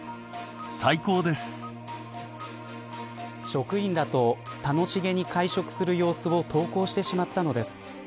職員らと楽しげに会食する様子を投稿してしまったのです。